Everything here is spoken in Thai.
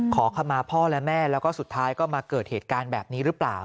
ขอขมาพ่อและแม่แล้วก็สุดท้ายก็มาเกิดเหตุการณ์แบบนี้หรือเปล่า